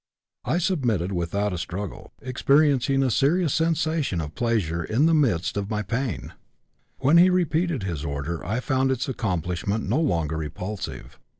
I submitted without a struggle, experiencing a curious sensation of pleasure in the midst of my pain. When he repeated his order I found its accomplishment no longer repulsive.